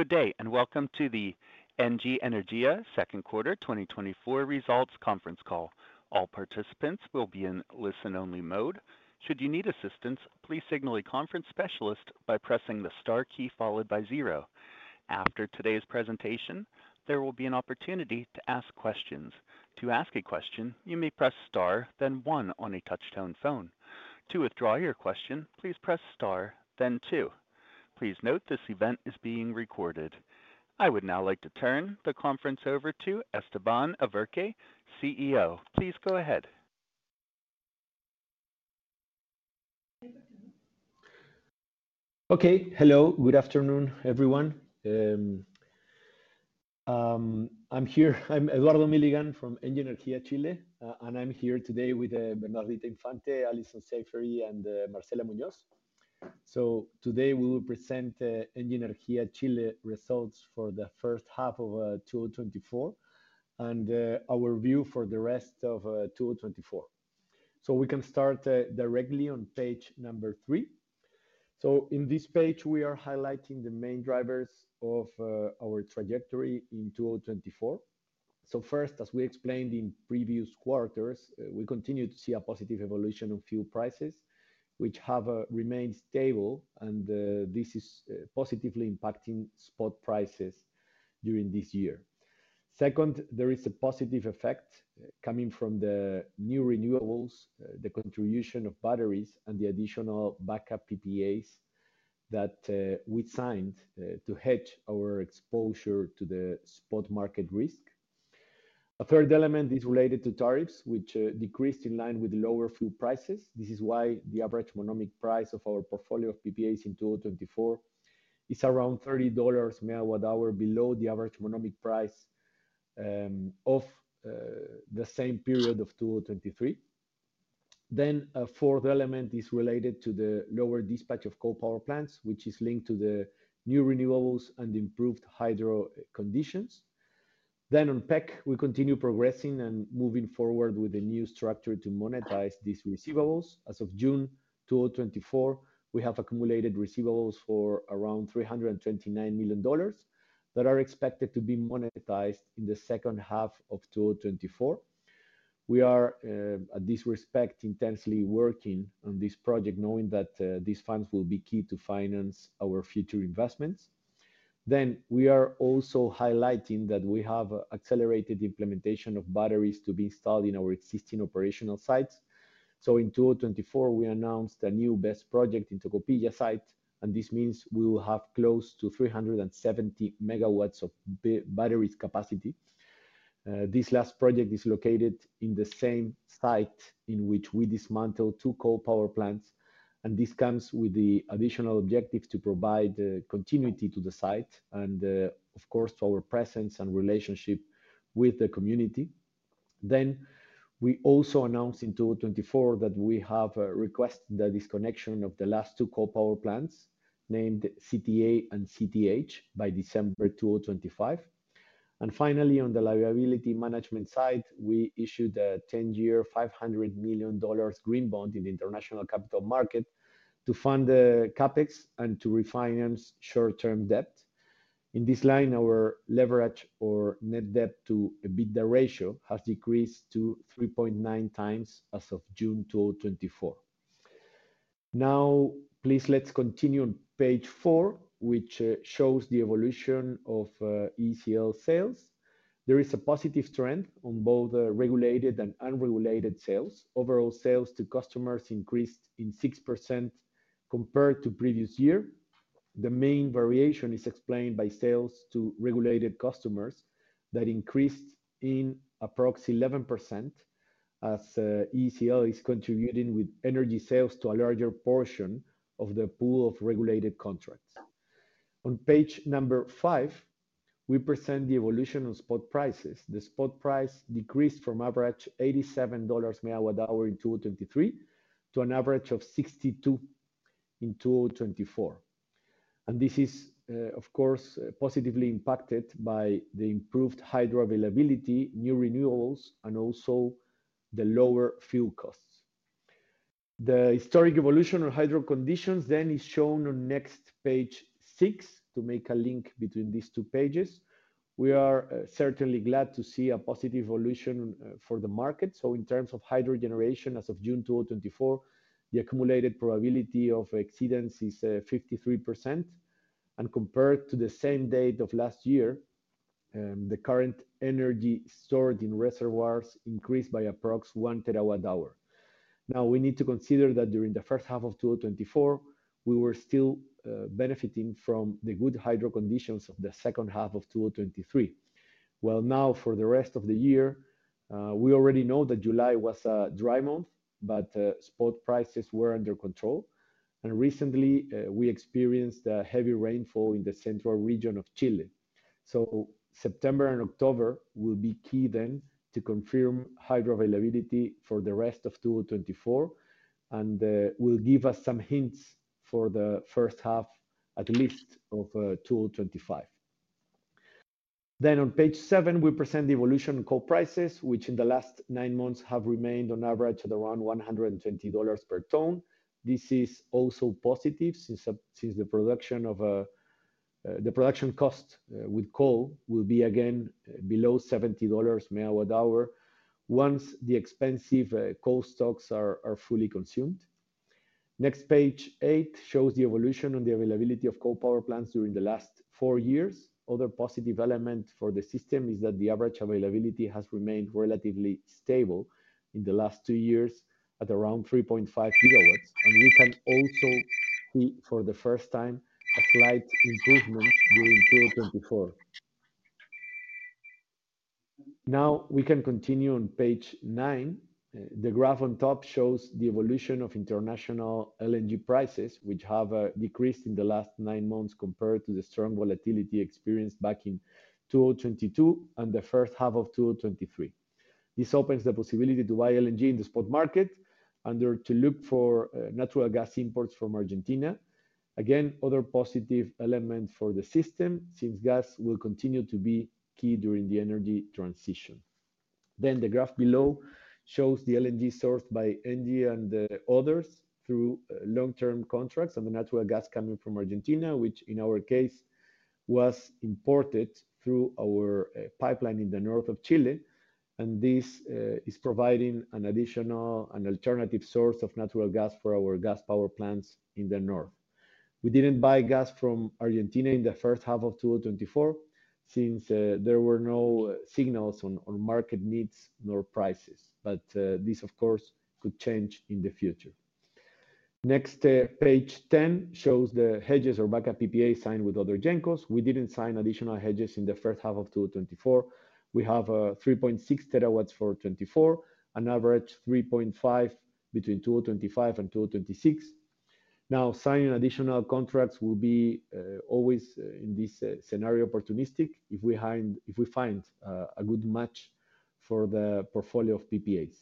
Good day and welcome to the Engie Energia Q2 2024 results conference call. All participants will be in listen-only mode. Should you need assistance, please signal a conference specialist by pressing the star key followed by zero. After today's presentation, there will be an opportunity to ask questions. To ask a question, you may press star, then one on a touchtone phone. To withdraw your question, please press star, then two. Please note, this event is being recorded. I would now like to turn the conference over to Eduardo Milligan, CFO. Please go ahead. Okay. Hello, good afternoon, everyone. I'm Eduardo Milligan from ENGIE Energía Chile and I'm here today with Bernardita Infante, Alison Saffery and Marcela Muñoz. Today we will present ENGIE Energía Chile results for the H1 of 2024 and our view for the rest of 2024. We can start directly on page number 3. In this page, we are highlighting the main drivers of our trajectory in 2024. First, as we explained in previous quarters, we continue to see a positive evolution of fuel prices, which have remained stable and this is positively impacting spot prices during this year. Second, there is a positive effect coming from the new renewables, the contribution of batteries and the additional backup PPAs that we signed to hedge our exposure to the spot market risk. A third element is related to tariffs, which decreased in line with lower fuel prices. This is why the average Monomic price of our portfolio of PPAs in 2024 is around $30/MWh below the average Monomic price of the same period of 2023. Then, a fourth element is related to the lower dispatch of coal power plants, which is linked to the new renewables and improved hydro conditions. Then on PEC, we continue progressing and moving forward with a new structure to monetize these receivables. As of June 2024, we have accumulated receivables for around $329 million, that are expected to be monetized in the H2 of 2024. We are, at this respect, intensely working on this project, knowing that, these funds will be key to finance our future investments. Then, we are also highlighting that we have accelerated the implementation of batteries to be installed in our existing operational sites. So in 2024, we announced a new BESS project in Tocopilla site and this means we will have close to 370 megawatts of batteries capacity. This last project is located in the same site in which we dismantled two coal power plants and this comes with the additional objectives to provide, continuity to the site and, of course, to our presence and relationship with the community. Then, we also announced in 2024 that we have requested the disconnection of the last two coal power plants, named CTA and CTH, by December 2025 and finally, on the liability management side, we issued a 10-year, $500 million green bond in the international capital market to fund the CapEx and to refinance short-term debt. In this line, our leverage or net debt to EBITDA ratio has decreased to 3.9 times as of June 2024. Now, please let's continue on page four, which shows the evolution of ECL sales. There is a positive trend on both the regulated and unregulated sales. Overall, sales to customers increased in 6% compared to previous year. The main variation is explained by sales to regulated customers that increased in approx 11%, as ECL is contributing with energy sales to a larger portion of the pool of regulated contracts. On page number 5, we present the evolution on spot prices. The spot price decreased from average $87 megawatt hour in 2023, to an average of $62 in 2024 and this is, of course, positively impacted by the improved hydro availability, new renewables and also the lower fuel costs. The historic evolution of hydro conditions then is shown on next page 6, to make a link between these two pages. We are certainly glad to see a positive evolution, for the market. So in terms of hydro generation, as of June 2024, the accumulated probability of exceedance is 53%. Compared to the same date of last year, the current energy stored in reservoirs increased by approximately 1 TWh. Now, we need to consider that during the H1 of 2024, we were still benefiting from the good hydro conditions of the H2 of 2023. Well, now for the rest of the year, we already know that July was a dry month, but the spot prices were under control and recently, we experienced a heavy rainfall in the central region of Chile. So September and October will be key then to confirm hydro availability for the rest of 2024 and will give us some hints for the H1, at least of 2025. On page 7, we present the evolution in coal prices, which in the last 9 months have remained on average at around $120 per ton. This is also positive, since the production cost with coal will be again below $70 megawatt hour, once the expensive coal stocks are fully consumed. Next, page 8 shows the evolution on the availability of coal power plants during the last 4 years. Other positive element for the system is that the average availability has remained relatively stable in the last 2 years, at around 3.5 gigawatts and we can also see for the first time, a slight improvement during 2024. Now, we can continue on page 9. The graph on top shows the evolution of international LNG prices, which have decreased in the last nine months compared to the strong volatility experienced back in 2022 and the H1 of 2023. This opens the possibility to buy LNG in the spot market and there to look for natural gas imports from Argentina. Again, other positive element for the system, since gas will continue to be key during the energy transition. Then the graph below shows the LNG sourced by ENGIE and others through long-term contracts and the natural gas coming from Argentina, which in our case, was imported through our pipeline in the north of Chile. This is providing an additional, an alternative source of natural gas for our gas power plants in the north. We didn't buy gas from Argentina in the H1 of 2024, since there were no signals on market needs nor prices, but this, of course, could change in the future. Next, page 10 shows the hedges or backup PPAs signed with other gencos. We didn't sign additional hedges in the H1 of 2024. We have 3.6 terawatts for 2024, an average 3.5 between 2025 and 2026. Now, signing additional contracts will be always, in this scenario, opportunistic, if we find a good match for the portfolio of PPAs.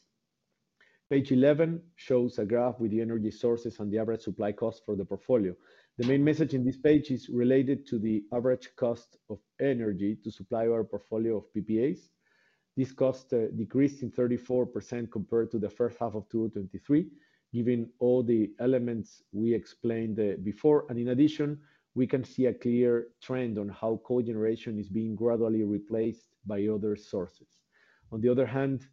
Page 11 shows a graph with the energy sources and the average supply cost for the portfolio. The main message in this page is related to the average cost of energy to supply our portfolio of PPAs. This cost decreased 34% compared to the H1 of 2023, given all the elements we explained before and in addition, we can see a clear trend on how cogeneration is being gradually replaced by other sources. On the other hand,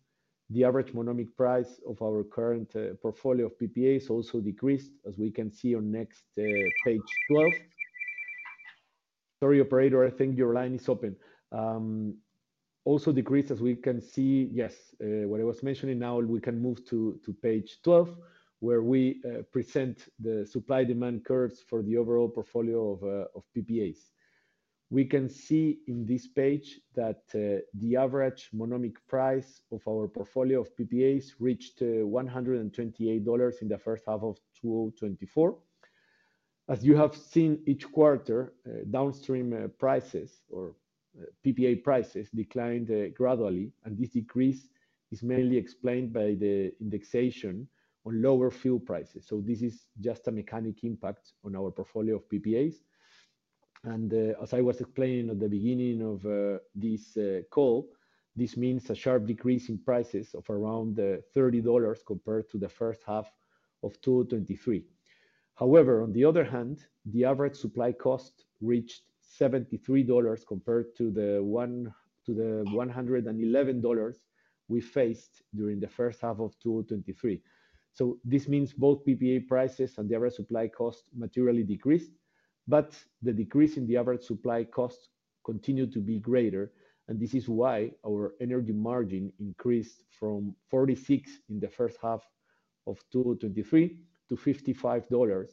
the average monomic price of our current portfolio of PPAs also decreased, as we can see on next page 12. Sorry, operator, I think your line is open. also decreased, as we can see Yes, what I was mentioning, now we can move to page 12, where we present the supply-demand curves for the overall portfolio of PPAs. We can see in this page that the average monomic price of our portfolio of PPAs reached $128 in the H1 of 2024. As you have seen each quarter, downstream, prices or, PPA prices declined, gradually and this decrease is mainly explained by the indexation on lower fuel prices. So this is just a mechanic impact on our portfolio of ppas and, as I was explaining at the beginning of, this, call, this means a sharp decrease in prices of around, thirty dollars compared to the H1 of 2023. However, on the other hand, the average supply cost reached $73, compared to the one to the one hundred and eleven dollars we faced during the H1 of 2023. So this means both PPA prices and the average supply cost materially decreased, but the decrease in the average supply costs continued to be greater and this is why our energy margin increased from 46 in the H1 of 2023 to $55/MWh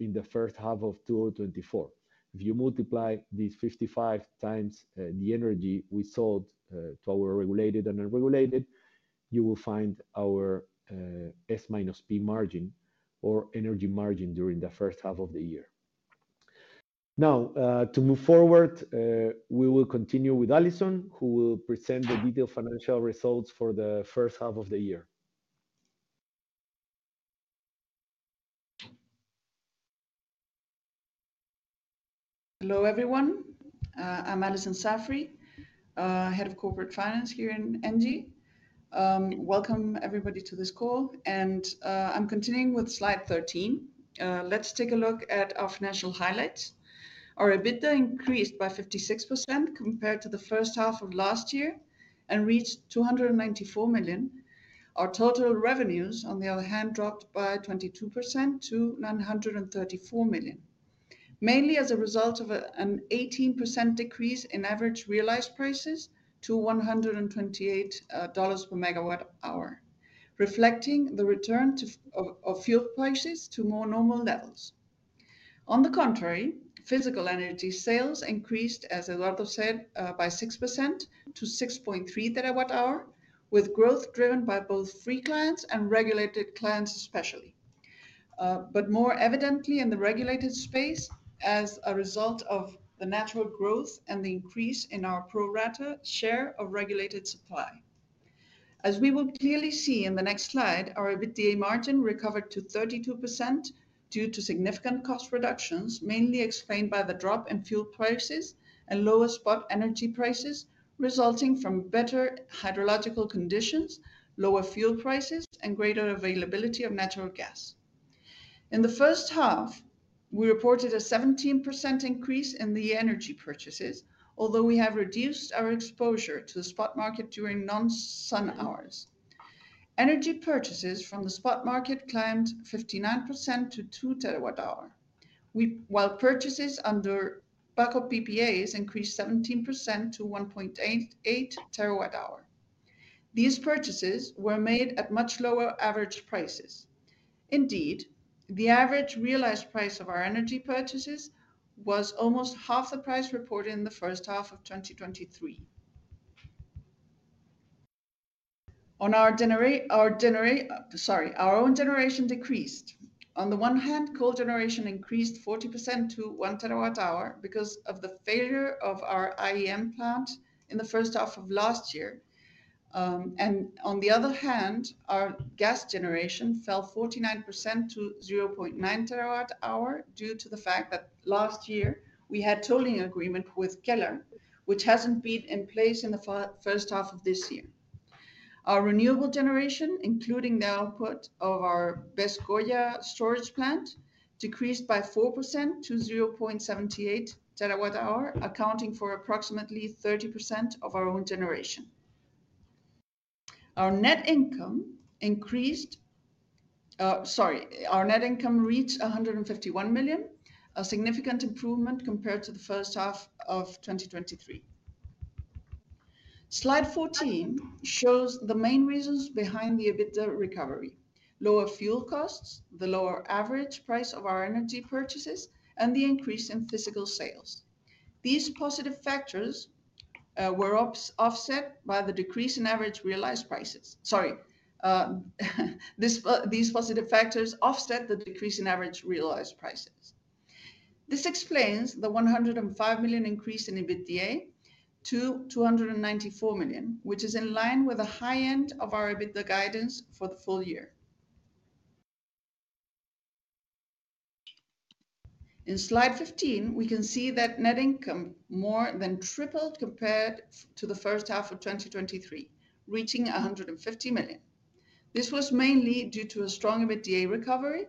in the H1 of 2024. If you multiply this 55 times the energy we sold to our regulated and unregulated, you will find our S minus P margin or energy margin during the H1 of the year. Now, to move forward, we will continue with Alison, who will present the detailed financial results for the H1 of the year. Hello, everyone. I'm Alison Saffery, Head of Corporate Finance here in ENGIE. Welcome, everybody, to this call. I'm continuing with slide 13. Let's take a look at our financial highlights. Our EBITDA increased by 56% compared to the H1 of last year and reached $294 million. Our total revenues, on the other hand, dropped by 22% to $934 million. Mainly as a result of an 18% decrease in average realized prices to $128 per megawatt hour, reflecting the return of fuel prices to more normal levels. On the contrary, physical energy sales increased, as Eduardo said, by 6% to 6.3 TWh, with growth driven by both free clients and regulated clients, especially. But more evidently in the regulated space, as a result of the natural growth and the increase in our pro rata share of regulated supply As we will clearly see in the next slide, our EBITDA margin recovered to 32% due to significant cost reductions, mainly explained by the drop in fuel prices and lower spot energy prices, resulting from better hydrological conditions, lower fuel prices and greater availability of natural gas. In the H1, we reported a 17% increase in the energy purchases, although we have reduced our exposure to the spot market during non-sun hours. Energy purchases from the spot market climbed 59% to 2 TWh. While purchases under backup PPAs increased 17% to 1.88 TWh. These purchases were made at much lower average prices. Indeed, the average realized price of our energy purchases was almost half the price reported in the H1 of 2023. Our own generation decreased. On the one hand, coal generation increased 40% to 1 TWh because of the failure of our IEM plant in the H1 of last year and on the other hand, our gas generation fell 49% to 0.9 TWh, due to the fact that last year we had tolling agreement with Kelar, which hasn't been in place in the H1 of this year. Our renewable generation, including the output of our BESS Coya storage plant, decreased by 4% to 0.78 TWh, accounting for approximately 30% of our own generation. Our net income increased Sorry, our net income reached $151 million, a significant improvement compared to the H1 of 2023. Slide 14 shows the main reasons behind the EBITDA recovery: lower fuel costs, the lower average price of our energy purchases and the increase in physical sales. These positive factors offset the decrease in average realized prices. Sorry, these positive factors offset the decrease in average realized prices. This explains the $105 million increase in EBITDA to $294 million, which is in line with the high end of our EBITDA guidance for the full year. In slide 15, we can see that net income more than tripled compared to the H1 of 2023, reaching $150 million. This was mainly due to a strong EBITDA recovery,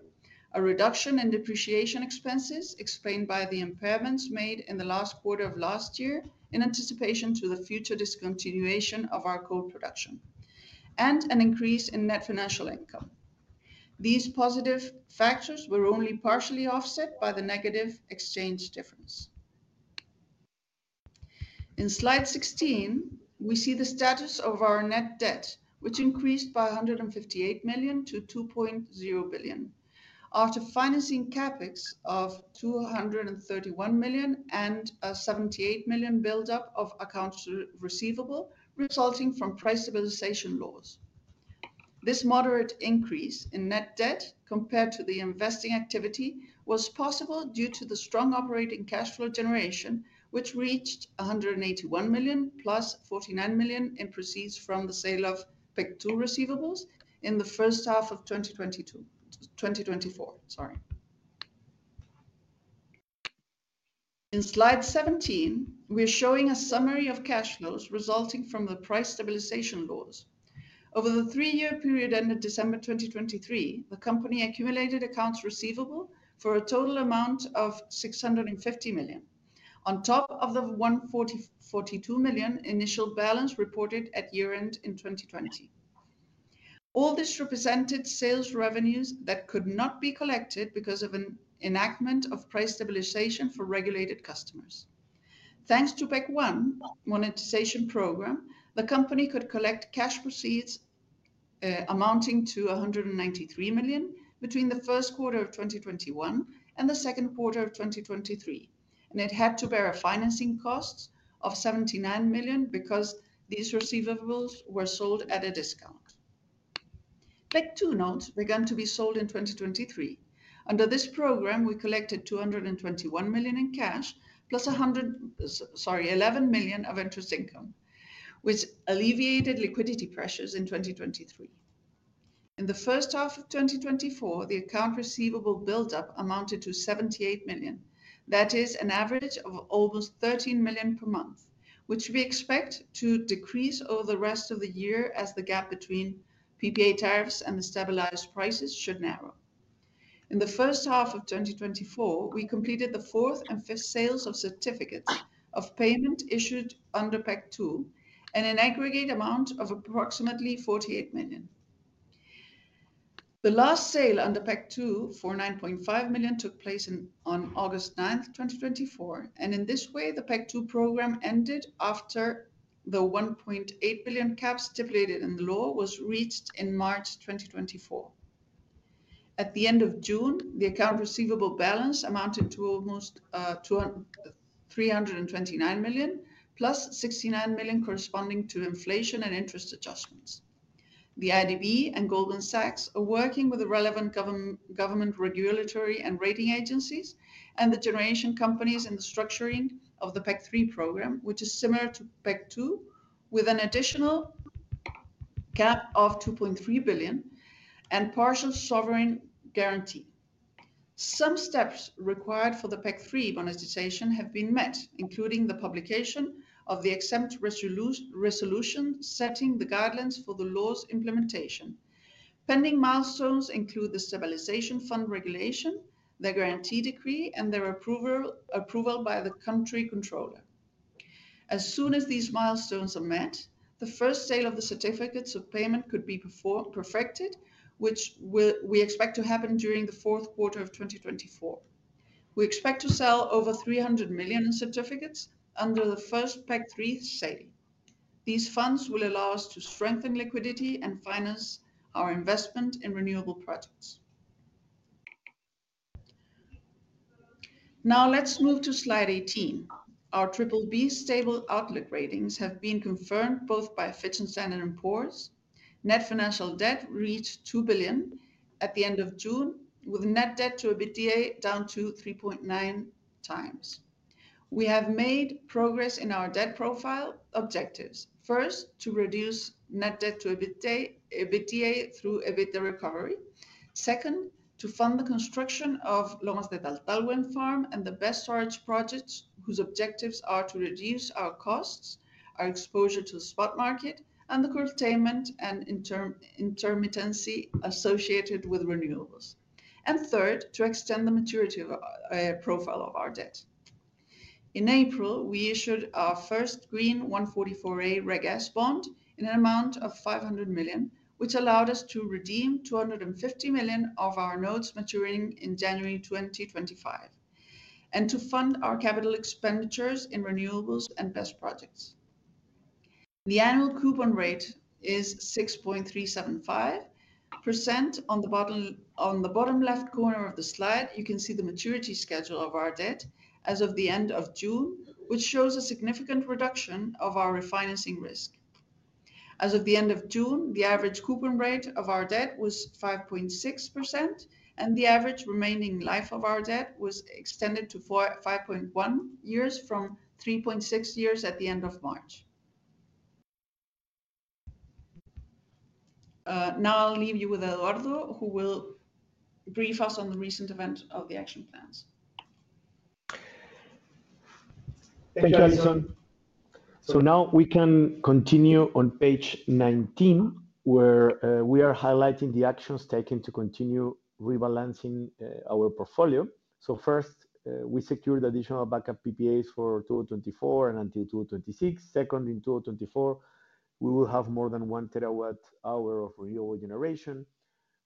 a reduction in depreciation expenses, explained by the impairments made in the last quarter of last year in anticipation to the future discontinuation of our coal production and an increase in net financial income. These positive factors were only partially offset by the negative exchange difference. In slide 16, we see the status of our net debt, which increased by $158 million to $2.0 billion, after financing CapEx of $231 million and a $78 million buildup of accounts receivable, resulting from price stabilization laws. This moderate increase in net debt compared to the investing activity was possible due to the strong operating cash flow generation, which reached $181 million, plus $49 million in proceeds from the sale of PEC 2 receivables in the H1 of 2022 2024. In slide 17, we're showing a summary of cash flows resulting from the price stabilization laws. Over the three-year period ended December 2023, the company accumulated accounts receivable for a total amount of $650 million, on top of the $142 million initial balance reported at year-end in 2020. All this represented sales revenues that could not be collected because of an enactment of price stabilization for regulated customers. Thanks to PEC 1 monetization program, the company could collect cash proceeds amounting to $193 million between the Q1 of 2021 and the Q2 of 2023 and it had to bear a financing cost of $79 million because these receivables were sold at a discount. PEC 2 notes began to be sold in 2023. Under this program, we collected $221 million in cash, plus $11 million of interest income, which alleviated liquidity pressures in 2023. In the H1 of 2024, the account receivable buildup amounted to $78 million. That is an average of almost $13 million per month, which we expect to decrease over the rest of the year as the gap between PPA tariffs and the stabilized prices should narrow. In the H1 of 2024, we completed the fourth and fifth sales of Certificates of Payment issued under PEC 2, in an aggregate amount of approximately $48 million. The last sale under PEC 2 for $9.5 million took place in, on August ninth, 2024 and in this way, the PEC 2 program ended after the $1.8 billion cap stipulated in the law was reached in March 2024. At the end of June, the account receivable balance amounted to almost three hundred and twenty-nine million, plus sixty-nine million corresponding to inflation and interest adjustments. The IDB and Goldman Sachs are working with the relevant government regulatory and rating agencies and the generation companies in the structuring of the PEC 3 program, which is similar to PEC 2, with an additional cap of $2.3 billion and partial sovereign guarantee. Some steps required for the PEC 3 monetization have been met, including the publication of the exempt resolution, setting the guidelines for the law's implementation. Pending milestones include the Stabilization Fund regulation, the guarantee decree and their approval, approval by the country controller. As soon as these milestones are met, the first sale of the certificates of payment could be performed--perfected, which we expect to happen during the Q4 of 2024. We expect to sell over $300 million in certificates under the first PEC 3 sale. These funds will allow us to strengthen liquidity and finance our investment in renewable projects. Now, let's move to slide 18. Our BBB stable outlook ratings have been confirmed both by Fitch and Standard & Poor's. Net financial debt reached $2 billion at the end of June, with net debt to EBITDA down to 3.9 times. We have made progress in our debt profile objectives. First, to reduce net debt to EBITDA through EBITDA recovery. Second, to fund the construction of Lomas de Taltal Wind Farm and the battery storage projects, whose objectives are to reduce our costs, our exposure to the spot market and the curtailment and intermittency associated with renewables. Third, to extend the maturity profile of our debt. In April, we issued our first green 144A Reg S bond in an amount of $500 million, which allowed us to redeem $250 million of our notes maturing in January 2025 and to fund our capital expenditures in renewables and battery projects. The annual coupon rate is 6.375%. On the bottom, on the bottom left corner of the slide, you can see the maturity schedule of our debt as of the end of June, which shows a significant reduction of our refinancing risk. As of the end of June, the average coupon rate of our debt was 5.6% and the average remaining life of our debt was extended to 5.1 years, from 3.6 years at the end of March. Now I'll leave you with Eduardo, who will brief us on the recent event of the action plans. Thank you, Alison. So now we can continue on page 19, where we are highlighting the actions taken to continue rebalancing our portfolio. So first, we secured additional backup PPAs for 2024 and until 2026. Second, in 2024, we will have more than 1 TWh of renewable generation,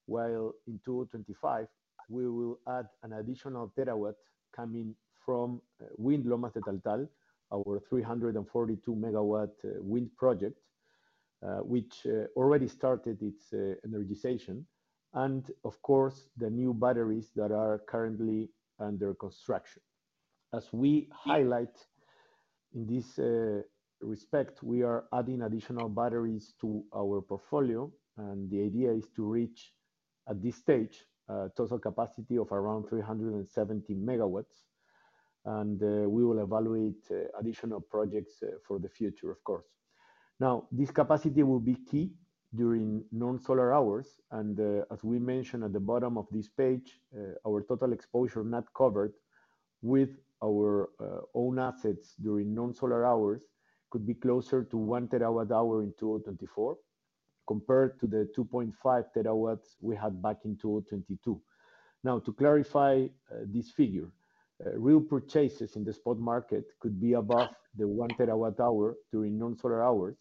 while in 2025, we will add an additional TWh coming from Lomas de Taltal wind, our 342-MW wind project, which already started its energization and of course, the new batteries that are currently under construction. As we highlight in this respect, we are adding additional batteries to our portfolio and the idea is to reach, at this stage, a total capacity of around 370 MW and we will evaluate additional projects for the future, of course. Now, this capacity will be key during non-solar hours and as we mentioned at the bottom of this page, our total exposure not covered with our own assets during non-solar hours could be closer to 1 terawatt hour in 2024, compared to the 2.5 terawatts we had back in 2022. Now, to clarify this figure, real purchases in the spot market could be above the 1 terawatt hour during non-solar hours,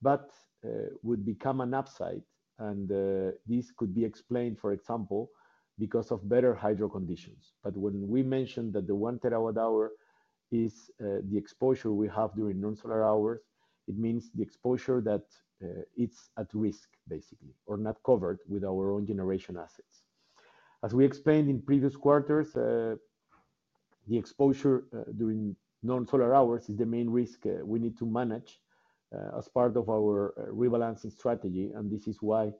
but would become an upside and this could be explained, for example, because of better hydro conditions. But when we mention that the 1 terawatt hour is the exposure we have during non-solar hours, it means the exposure that it's at risk basically, or not covered with our own generation assets. As we explained in previous quarters, the exposure during non-solar hours is the main risk we need to manage as part of our rebalancing strategy and this is why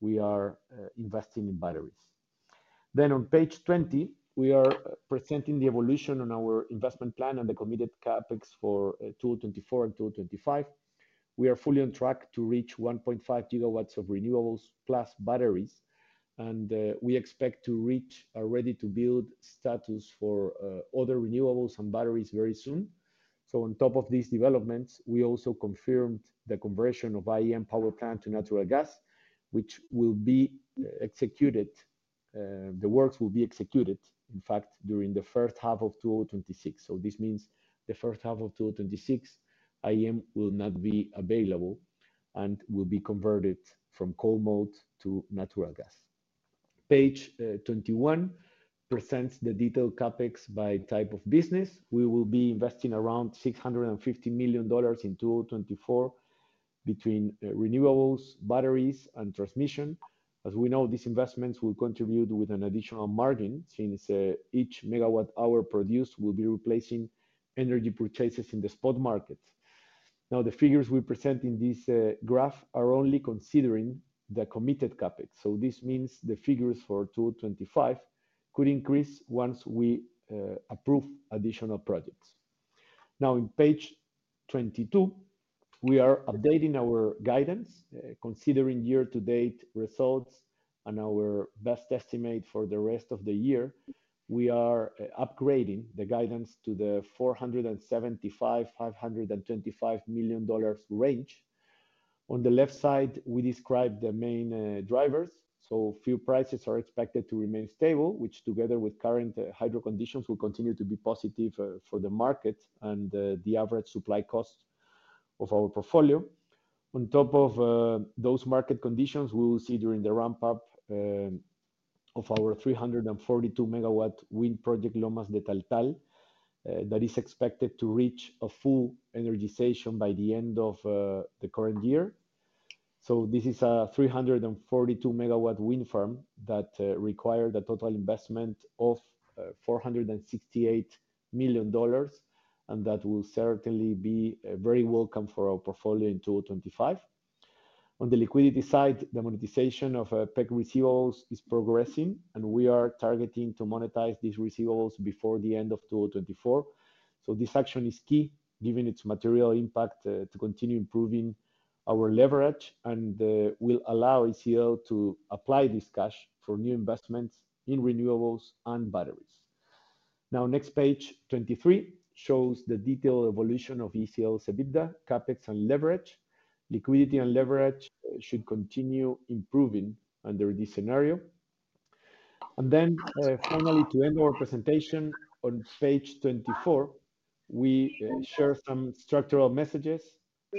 we are investing in batteries. Then on page 20, we are presenting the evolution on our investment plan and the committed CapEx for 2024 and 2025. We are fully on track to reach 1.5 gigawatts of renewables plus batteries and we expect to reach a ready-to-build status for other renewables and batteries very soon. So on top of these developments, we also confirmed the conversion of IEM power plant to natural gas, which will be executed. The works will be executed, in fact, during the H1 of 2026. This means the H1 of 2026, IEM will not be available and will be converted from coal mode to natural gas. Page 21 presents the detailed CapEx by type of business. We will be investing around $650 million in 2024 between renewables, batteries and transmission. As we know, these investments will contribute with an additional margin, since each megawatt hour produced will be replacing energy purchases in the spot market. Now, the figures we present in this graph are only considering the committed CapEx, so this means the figures for 2025 could increase once we approve additional projects. Now, in page 22, we are updating our guidance. Considering year-to-date results and our best estimate for the rest of the year, we are upgrading the guidance to the $475 million-$525 million range. On the left side, we describe the main drivers, so fuel prices are expected to remain stable, which together with current hydro conditions, will continue to be positive for the market and the average supply cost of our portfolio. On top of those market conditions, we will see during the ramp-up of our 342 MW wind project, Lomas de Taltal, that is expected to reach a full energization by the end of the current year. So this is a 342-MW wind farm that required a total investment of $468 million and that will certainly be very welcome for our portfolio in 2025. On the liquidity side, the monetization of PEC receivables is progressing and we are targeting to monetize these receivables before the end of 2024. So this action is key, given its material impact to continue improving our leverage and will allow ECL to apply this cash for new investments in renewables and batteries. Now, next page, 23, shows the detailed evolution of ECL's EBITDA, capex and leverage. Liquidity and leverage should continue improving under this scenario and then, finally, to end our presentation, on page 24, we share some structural messages.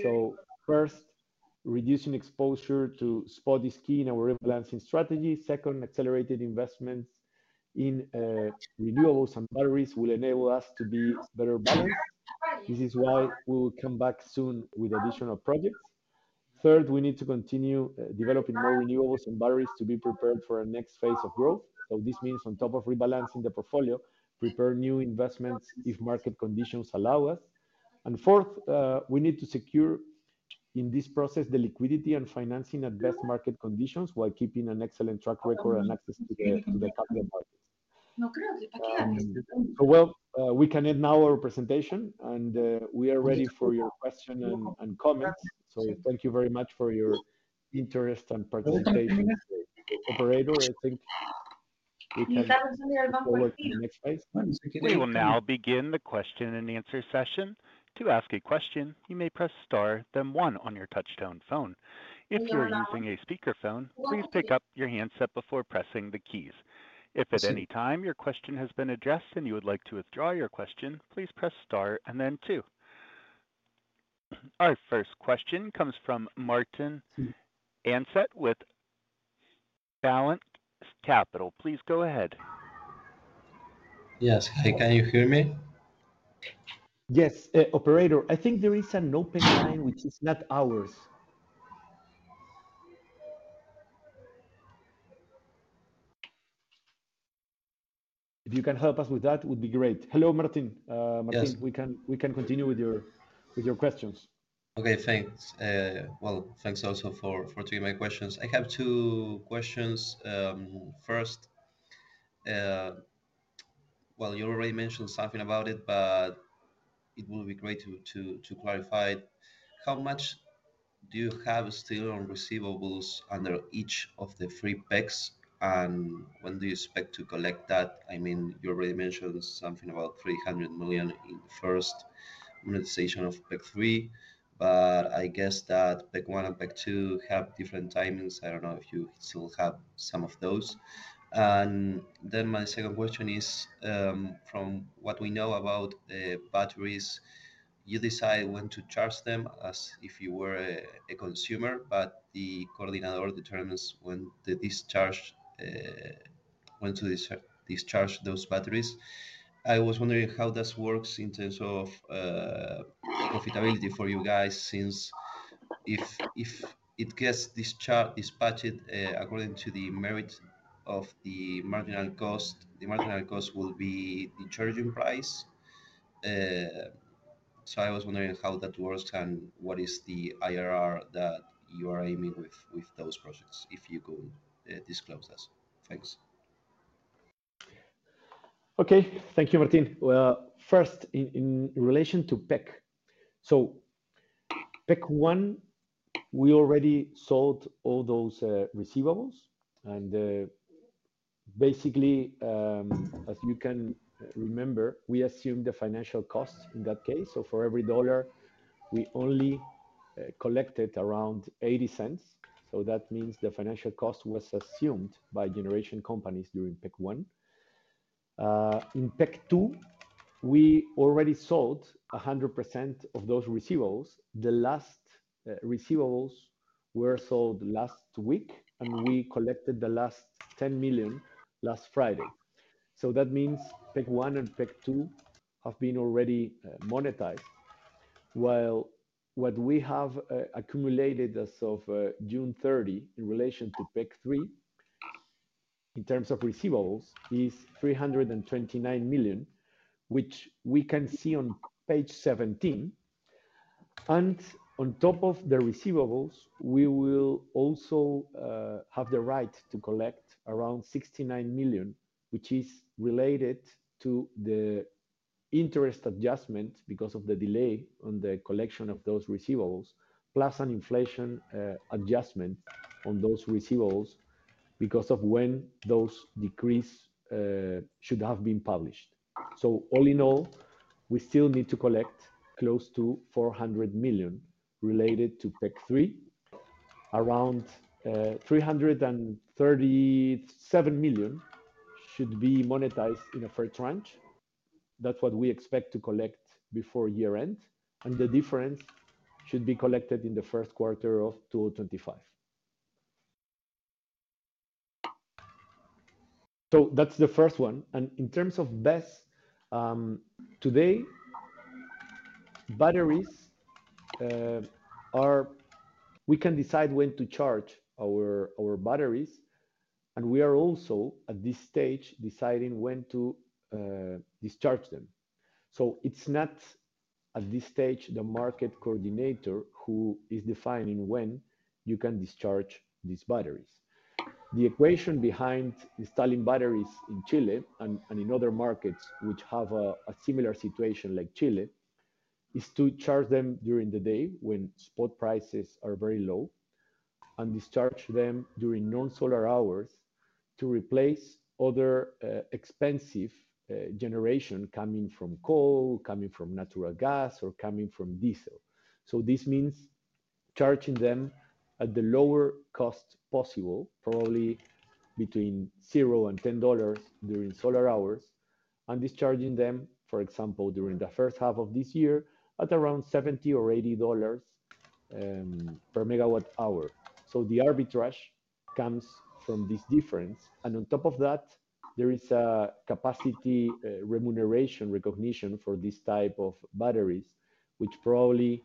So first, reducing exposure to spot is key in our rebalancing strategy. Second, accelerated investments in renewables and batteries will enable us to be better balanced. This is why we will come back soon with additional projects. Third, we need to continue developing more renewables and batteries to be prepared for our next phase of growth. So this means on top of rebalancing the portfolio, prepare new investments if market conditions allow us and fourth, we need to secure, in this process, the liquidity and financing at best market conditions, while keeping an excellent track record and access to the capital markets. Well, we can end now our presentation and we are ready for your question and comments. So thank you very much for your interest and participation. Operator, I think we can move forward to the next slide. We will now begin the question and answer session. To ask a question, you may press Star, then One on your touchtone phone. If you are using a speakerphone, please pick up your handset before pressing the keys. If at any time your question has been addressed and you would like to withdraw your question, please press Star and then Two. Our first question comes from Martín Anzelt with Balanz Capital. Please go ahead. Yes. Hi, can you hear me? Yes, operator, I think there is an open line which is not ours. If you can help us with that, would be great. Hello, Martín, we can continue with your questions. Okay, thanks. Well, thanks also for taking my questions. I have two questions. First, well, you already mentioned something about it, but it will be great to clarify. How much do you have still on receivables under each of the three pecs and when do you expect to collect that? I mean, you already mentioned something about $300 million in the first monetization of PEC 3, but I guess that PEC one and PEC two have different timings. I don't know if you still have some of those and then my second question is, from what we know about batteries, you decide when to charge them as if you were a consumer, but the coordinator determines when the discharge, when to discharge those batteries. I was wondering how this works in terms of profitability for you guys, since if it gets discharged, dispatched according to the merit of the marginal cost, the marginal cost will be the charging price. So I was wondering how that works and what is the IRR that you are aiming with those projects, if you could disclose this. Thanks. Okay. Thank you, Martín. Well, first, in relation to PEC. So PEC 1, we already sold all those receivables and basically, as you can remember, we assumed the financial costs in that case. So for every dollar, we only collected around 80 cents. So that means the financial cost was assumed by generation companies during PEC 1. In PEC 2, we already sold 100% of those receivables. The last receivables were sold last week and we collected the last $10 million last Friday. So that means PEC 1 and PEC 2 have been already monetized. Well, what we have accumulated as of June 30 in relation to PEC 3, in terms of receivables, is $329 million, which we can see on page 17. On top of the receivables, we will also have the right to collect around $69 million, which is related to the interest adjustment because of the delay on the collection of those receivables, plus an inflation adjustment on those receivables because of when those decrees should have been published. So all in all, we still need to collect close to $400 million related to PEC 3. Around 337 million should be monetized in a first tranche. That's what we expect to collect before year-end and the difference should be collected in the Q1 of 2025. So that's the first one and in terms of BESS, today, batteries are—we can decide when to charge our batteries and we are also, at this stage, deciding when to discharge them. So it's not, at this stage, the market coordinator who is defining when you can discharge these batteries. The equation behind installing batteries in Chile and in other markets which have a similar situation like Chile, is to charge them during the day when spot prices are very low and discharge them during non-solar hours to replace other, expensive, generation coming from coal, coming from natural gas, or coming from diesel. So this means charging them at the lower cost possible, probably between $0 and $10 during solar hours and discharging them, for example, during the H1 of this year, at around $70 or $80 per megawatt hour. So the arbitrage comes from this difference and on top of that, there is a capacity remuneration recognition for these type of batteries, which probably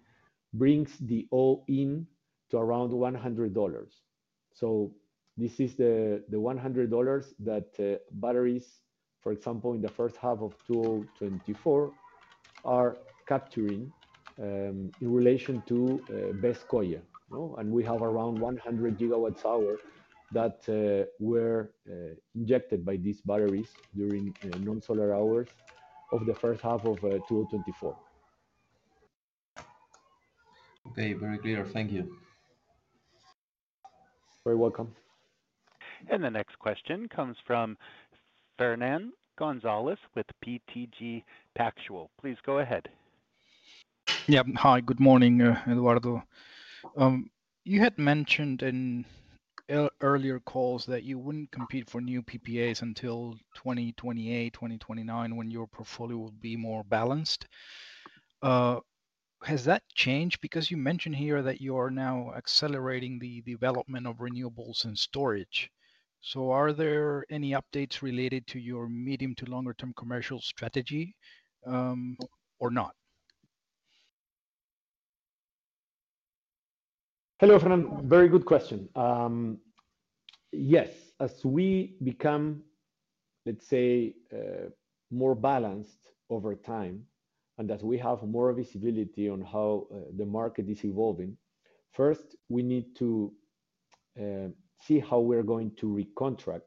brings the all-in to around $100. So this is the $100 that batteries, for example, in the H1 of 2024, are capturing in relation to BESS Coya. No? And we have around 100 GWh that were injected by these batteries during non-solar hours of the H1 of 2024. Okay, very clear. Thank you. Very welcome. The next question comes from Fernán González with BTG Pactual. Please go ahead. Yeah. Hi, good morning, Eduardo. You had mentioned in earlier calls that you wouldn't compete for new PPAs until 2028, 2029, when your portfolio would be more balanced. Has that changed? Because you mentioned here that you are now accelerating the development of renewables and storage. So are there any updates related to your medium to longer term commercial strategy, or not? Hello, Fernán. Very good question. Yes, as we become, let's say, more balanced over time and as we have more visibility on how the market is evolving, first, we need to see how we're going to recontract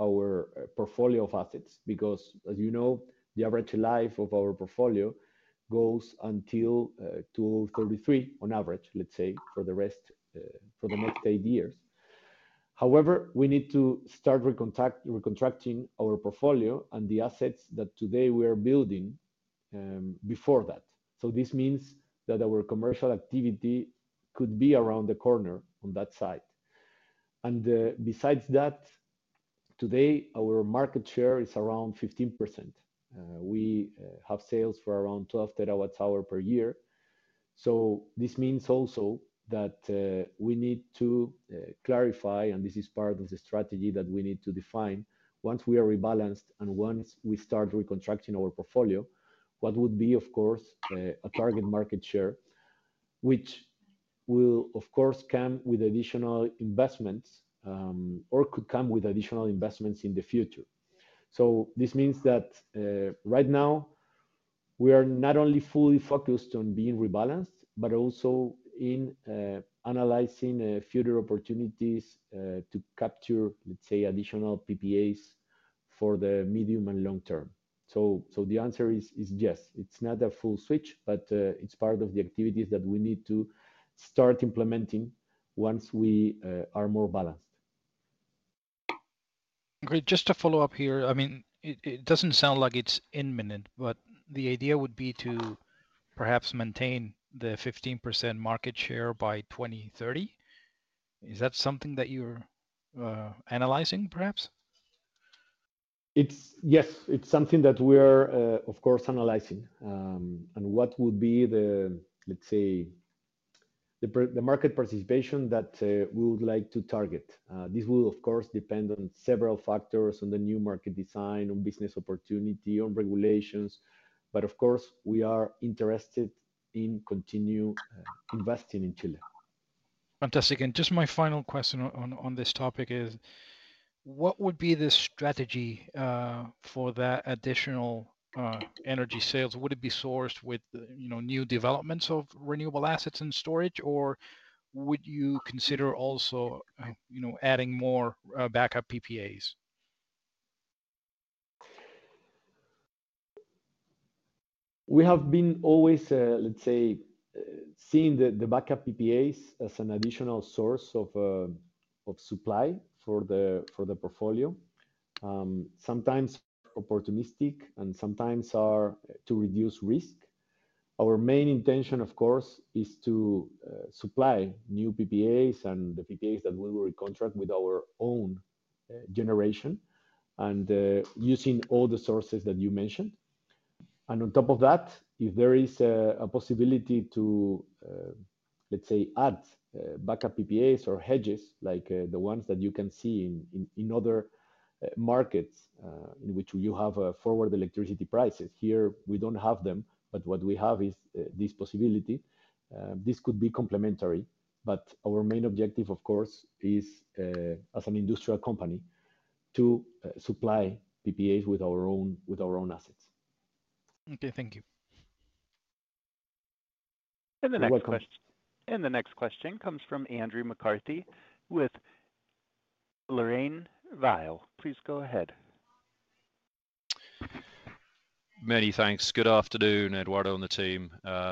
our portfolio of assets. Because, as you know, the average life of our portfolio goes until 2033 on average, let's say, for the rest, for the next 8 years. However, we need to start recontracting our portfolio and the assets that today we are building before that. So this means that our commercial activity could be around the corner on that side and, besides that, today, our market share is around 15%. We have sales for around 12 terawatts hour per year. So this means also that, we need to clarify and this is part of the strategy that we need to define, once we are rebalanced and once we start recontracting our portfolio, what would be, of course, a target market share, which will, of course, come with additional investments, or could come with additional investments in the future. So this means that, right now, we are not only fully focused on being rebalanced, but also in analyzing, future opportunities, to capture, let's say, additional PPAs for the medium and long term. So the answer is yes. It's not a full switch, but, it's part of the activities that we need to start implementing once we are more balanced. Great. Just to follow up here, I mean, it doesn't sound like it's imminent, but the idea would be to perhaps maintain the 15% market share by 2030. Is that something that you're analyzing, perhaps? Yes, it's something that we are, of course, analyzing. What would be the, let's say, the market participation that we would like to target. This will of course depend on several factors, on the new market design, on business opportunity, on regulations, but of course, we are interested in continue investing in Chile. fantastic and just my final question on this topic is: what would be the strategy for that additional energy sales? Would it be sourced with, you know, new developments of renewable assets and storage, or would you consider also, you know, adding more backup PPAs? We have been always, let's say, seeing the backup PPAs as an additional source of supply for the portfolio. Sometimes opportunistic and sometimes are to reduce risk. Our main intention, of course, is to supply new PPAs and the PPAs that we will recontract with our own generation and using all the sources that you mentioned and on top of that, if there is a possibility to, let's say, add backup PPAs or hedges like the ones that you can see in other markets, in which you have forward electricity prices. Here, we don't have them, but what we have is this possibility. This could be complementary, but our main objective, of course, is, as an industrial company, to supply PPAs with our own, with our own assets. Okay. Thank you. You're welcome. The next question comes from Andrew McCarthy with LarrainVial. Please go ahead. Many thanks. Good afternoon, Eduardo and the team.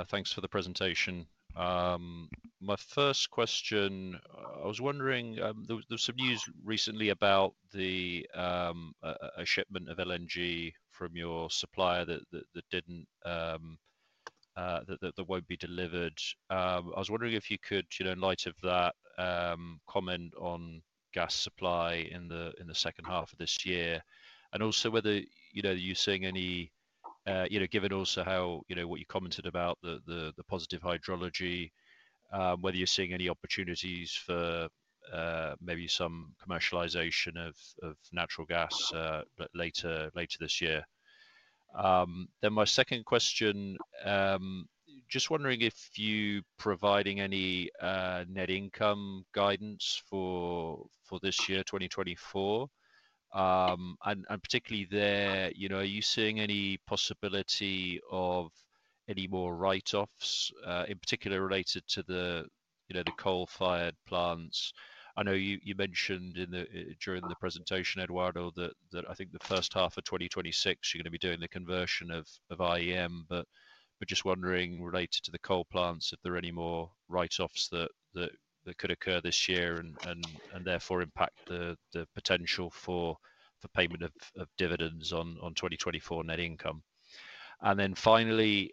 Thanks for the presentation. My first question, I was wondering, there was some news recently about a shipment of LNG from your supplier that won't be delivered. I was wondering if you could, you know, in light of that, comment on gas supply in the H2 of this year and also whether, you know, are you seeing any You know, given also how, you know, what you commented about the positive hydrology, whether you're seeing any opportunities for maybe some commercialization of natural gas, but later this year. Then my second question, just wondering if you providing any net income guidance for this year, 2024? And particularly there, you know, are you seeing any possibility of any more write-offs in particular related to the, you know, the coal-fired plants? I know you mentioned during the presentation, Eduardo, that I think the H1 of 2026, you're gonna be doing the conversion of IEM. But just wondering, related to the coal plants, if there are any more write-offs that could occur this year and therefore impact the potential for payment of dividends on 2024 net income and then finally,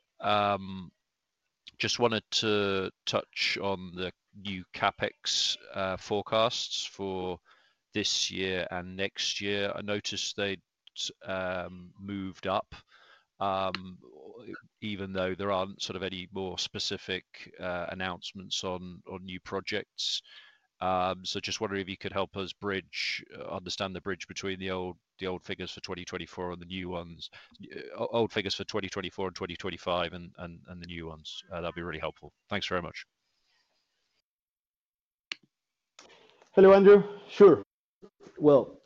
just wanted to touch on the new CapEx forecasts for this year and next year. I noticed they'd moved up, even though there aren't sort of any more specific announcements on new projects. So just wondering if you could help us bridge, understand the bridge between the old figures for 2024 and the new ones. Old figures for 2024 and 2025 and the new ones. That'd be really helpful. Thanks very much. hello andrew. Sure. Well,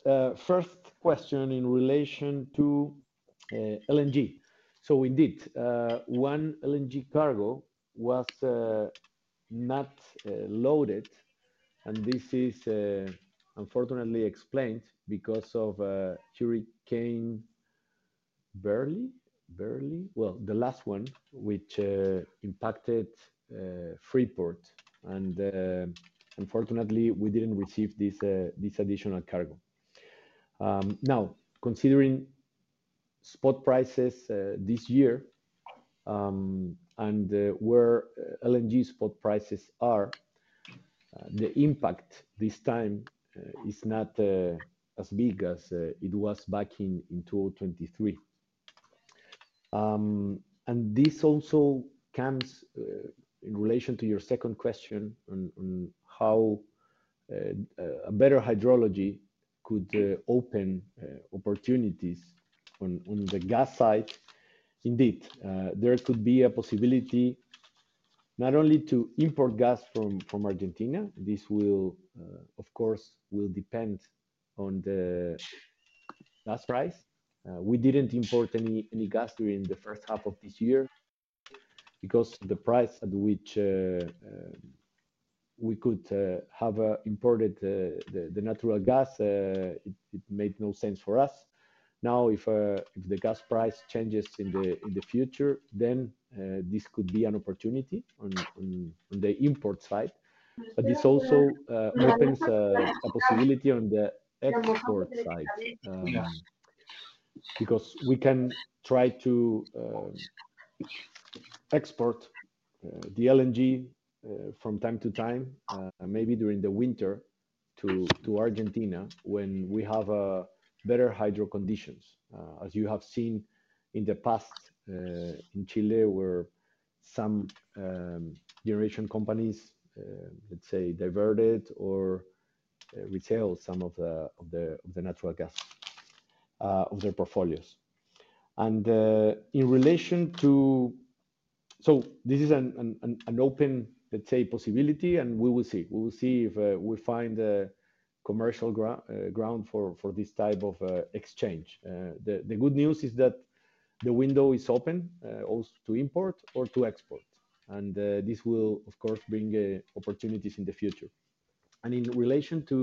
first question in relation to LNG. So we did one LNG cargo was not loaded and this is unfortunately explained because of Hurricane Beryl. Beryl. Well, the last one, which impacted freeport and unfortunately, we didn't receive this additional cargo. Now, considering spot prices this year and where LNG spot prices are, the impact this time is not as big as it was back in 2023 and this also comes in relation to your second question on how a better hydrology could open opportunities on the gas side. Indeed, there could be a possibility not only to import gas from Argentina, this will of course will depend on the gas price. We didn't import any gas during the H1 of this year because the price at which we could have imported the natural gas made no sense for us. Now, if the gas price changes in the future, then this could be an opportunity on the import side. But this also opens a possibility on the export side, because we can try to export the LNG from time to time, maybe during the winter to Argentina when we have better hydro conditions. As you have seen in the past, in Chile, where some generation companies, let's say, diverted or retailed some of the natural gas of their portfolios. In relation to— So this is an open, let's say, possibility and we will see. We will see if we find a commercial ground for this type of exchange. The good news is that the window is open also to import or to export and this will, of course, bring opportunities in the future. In relation to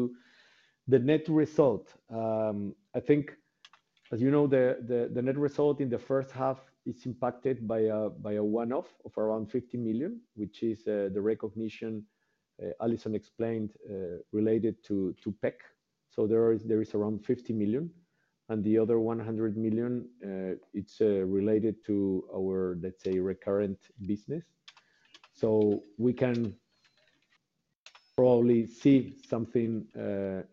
the net result, I think as you know, the net result in the H1 is impacted by a one-off of around $50 million, which is the recognition Alison explained related to PEC. So there is around $50 million and the other $100 million, it's related to our, let's say, recurrent business. So we can probably see something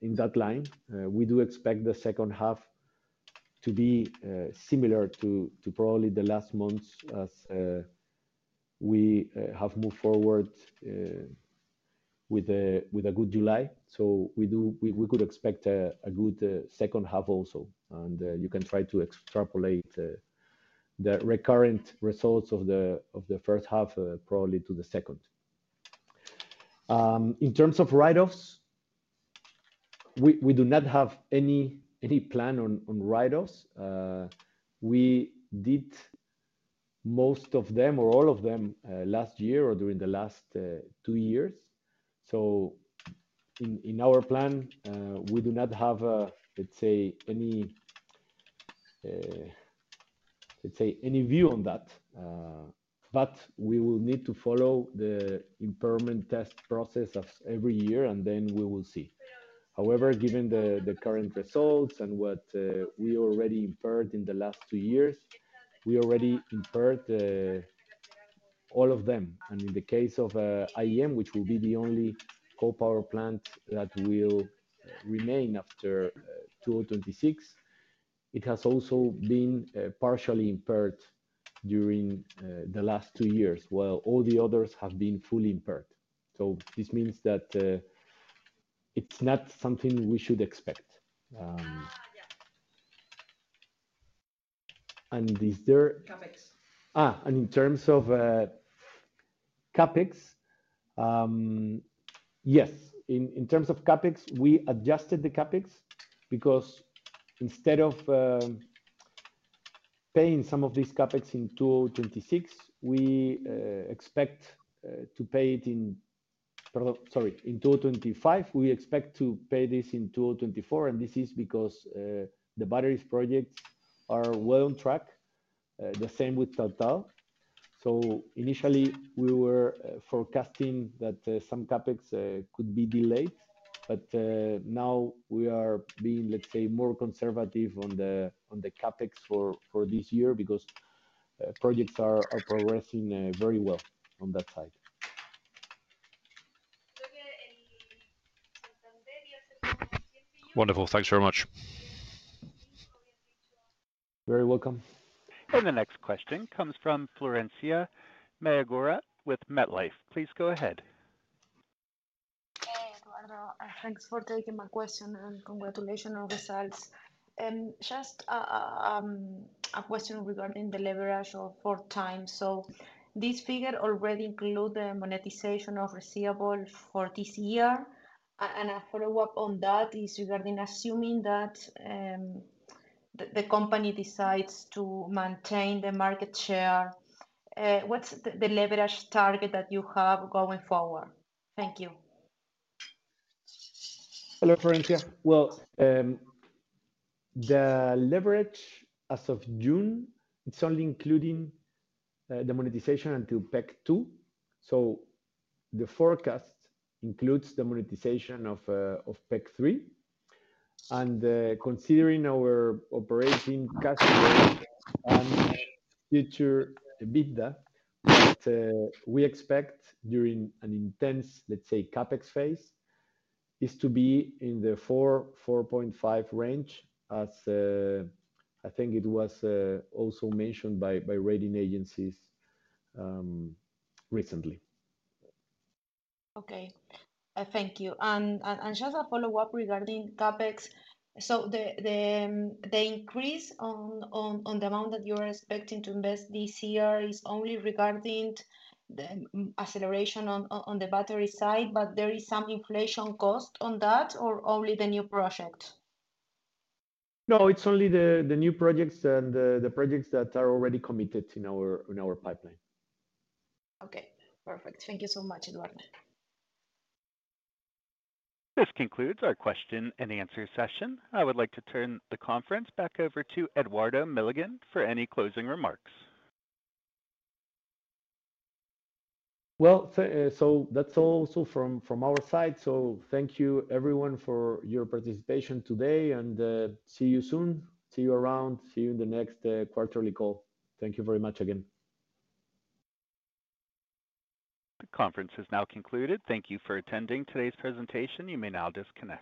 in that line. We do expect the H2 to be similar to probably the last months as we have moved forward with a good July. So we could expect a good H2 also and you can try to extrapolate the recurrent results of the H1 probably to the second. In terms of write-offs, we do not have any plan on write-offs. We did most of them or all of them last year or during the last two years. So in our plan, we do not have a, let's say, any view on that. But we will need to follow the impairment test process as every year and then we will see. However, given the current results and what we already impaired in the last two years, we already impaired all of them and in the case of IEM, which will be the only coal power plant that will remain after 2026, it has also been partially impaired during the last two years, while all the others have been fully impaired. So this means that it's not something we should expect. Is there- CapEx. And in terms of CapEx, yes. In terms of CapEx, we adjusted the CapEx because instead of paying some of these CapEx in 2026, we expect to pay it in Sorry, in 2025, we expect to pay this in 2024 and this is because the battery projects are well on track. The same with Total. So initially, we were forecasting that some CapEx could be delayed, but now we are being, let's say, more conservative on the CapEx for this year because projects are progressing very well on that side. Wonderful. Thanks very much. You're very welcome. The next question comes from Florencia Mayorga with MetLife. Please go ahead. Hey, Eduardo, thanks for taking my question and congratulations on the results. Just a question regarding the leverage of 4x. So this figure already include the monetization of receivable for this year? And a follow-up on that is regarding assuming that the company decides to maintain the market share, what's the leverage target that you have going forward? Thank you. Hello, Florencia. Well, the leverage as of June, it's only including the monetization until PEC 2. So the forecast includes the monetization of PEC 3 and, considering our operating cash flow and future EBITDA, we expect during an intense, let's say, CapEx phase, is to be in the 4-4.5 range as I think it was also mentioned by rating agencies recently. Okay. Thank you and just a follow-up regarding CapEx. So the increase on the amount that you're expecting to invest this year is only regarding the acceleration on the battery side, but there is some inflation cost on that or only the new project? No, it's only the new projects and the projects that are already committed in our pipeline. Okay. Perfect. Thank you so much, Eduardo. This concludes our question and answer session. I would like to turn the conference back over to Eduardo Milligan for any closing remarks. Well, so that's all from our side. So thank you everyone for your participation today and see you soon. See you around. See you in the next quarterly call. Thank you very much again. The conference is now concluded. Thank you for attending today's presentation. You may now disconnect.